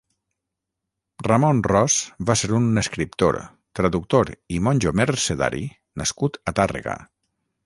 Ramon Ros va ser un escriptor, traductor i monjo mercedari nascut a Tàrrega.